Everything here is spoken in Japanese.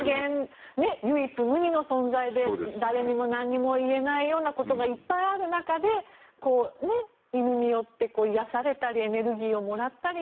唯一無二の存在で誰にも何にも言えないようなことがいっぱいある中で犬によって癒やされたりエネルギーをもらったり。